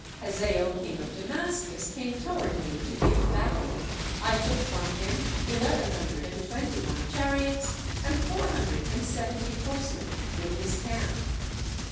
Hazael, king of Damascus, came toward me to give battle. I took from him eleven hundred and twenty one chariots and four hundred and seventy horsemen, with his camp.